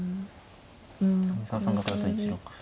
３三角だと１六歩。